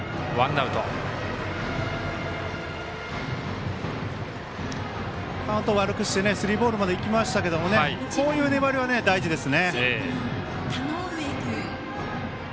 カウント悪くしてスリーボールまでいきましたけどこういう粘りは大事ですね。